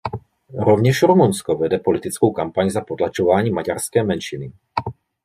Rovněž Rumunsko vede politickou kampaň za potlačování maďarské menšiny.